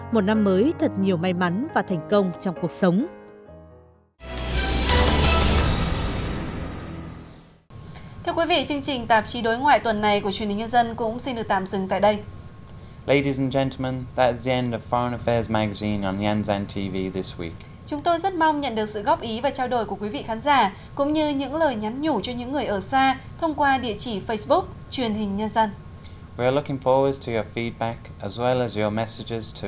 một năm mới thật nhiều may mắn và thành công trong cuộc sống